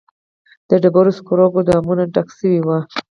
د ډبرو سکرو ګودامونه ډک شوي وي